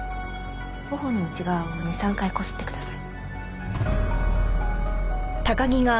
頬の内側を２３回こすってください。